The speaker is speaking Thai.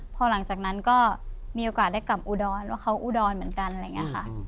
พอหลังจากนั้นก็มีโอกาสได้กลับอุดรเพราะเขาอุดรเหมือนกันอะไรอย่างนี้ค่ะ